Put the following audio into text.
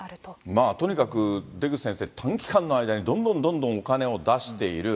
まあとにかく、出口先生、短期間の間にどんどんどんどんお金を出している。